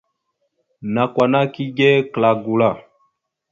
Nakw ana kige kəla gula.